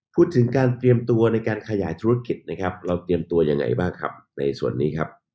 พูดถึงการเตรียมตัวในการขยายธุรกิจนะครับเราเตรียมตัวยังไงบ้างครับในส่วนนี้ครับ